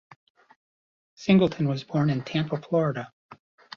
Singleton was born in Tampa, Florida.